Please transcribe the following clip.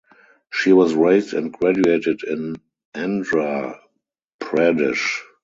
She was raised and graduated in Andhra pradesh.